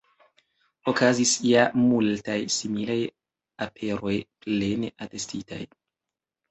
Okazis ja multaj similaj aperoj, plene atestitaj.